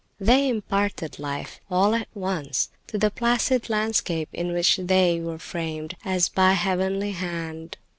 They imparted life, all at once, to the placid landscape in which they were framed as by a heavenly hand.